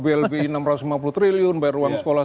blbi enam ratus lima puluh triliun bayar uang sekolah